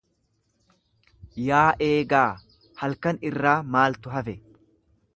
Yaa eegaa halkan irraa maaltu hafe?